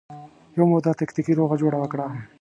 یوه موده تکتیکي روغه جوړه وکړه